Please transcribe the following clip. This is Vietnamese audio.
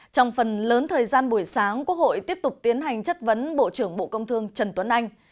trong phần lớn thời gian buổi sáng quốc hội tiếp tục tiến hành chất vấn bộ trưởng bộ công thương trần tuấn anh